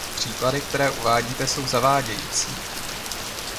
Příklady, které uvádíte, jsou zavádějící.